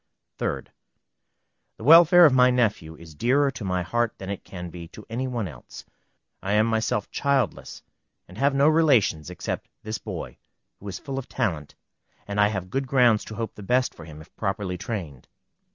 3d. The welfare of my nephew is dearer to my heart than it can be to any one else. I am myself childless, and have no relations except this boy, who is full of talent, and I have good grounds to hope the best for him, if properly trained.